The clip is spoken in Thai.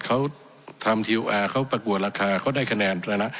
เขาทำทีลแอร์เขาประกวดราคาเขาได้คะแนนแล้วนะ